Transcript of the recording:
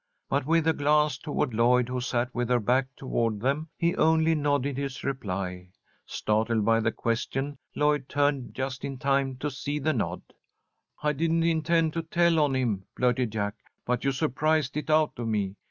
But, with a glance toward Lloyd, who sat with her back toward them, he only nodded his reply. Startled by the question, Lloyd turned just in time to see the nod. "I didn't intend to tell on him," blurted Jack, "but you surprised it out of me.